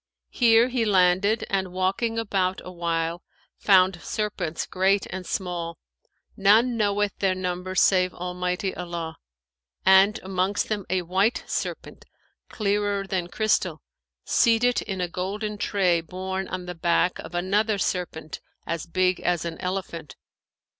Here he landed and walking about awhile found serpents great and small, none knoweth their number save Almighty Allah, and amongst them a white Serpent, clearer than crystal, seated in a golden tray borne on the back of another serpent as big as an elephant.